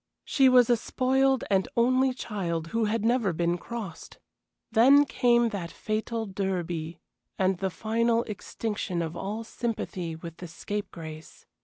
She was a spoiled and only child who had never been crossed. Then came that fatal Derby, and the final extinction of all sympathy with the scapegrace.